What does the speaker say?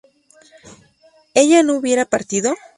¿ella no hubiera partido?